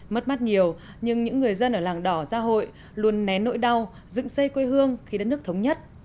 mất mát nhiều nhưng những người dân ở làng đỏ gia hội luôn nén nỗi đau dựng xây quê hương khi đất nước thống nhất